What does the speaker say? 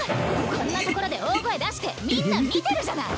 こんな所で大声出してみんな見てるじゃない！